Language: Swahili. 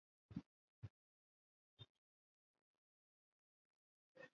ya watu waliouawa katika vita au aina nyingine za vurugu